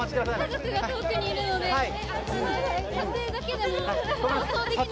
家族が遠くにいるので撮影だけでも。